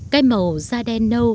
cái màu da đen nâu